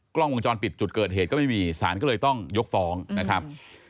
กล้องวงจรปิดจุดเกิดเหตุก็ไม่มีสารก็เลยต้องยกฟ้องนะครับ